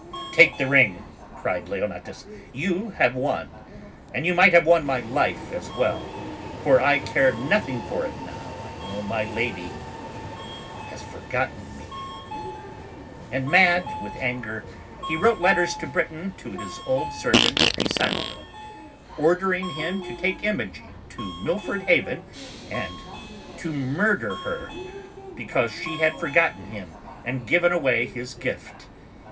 ((' Take the ring," cried Leonatus, "you have won, and you might have won my life as well, for I care nothing for it now I know my lady has forgotten me." And mad with anger, he wrote letters to Britain to his old ser vant, Pisanio, ordering him to take Imogen to Mil ford Haven, and to murder her, because she had forgotten him and given away his gift.